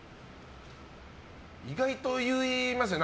意外といいますよね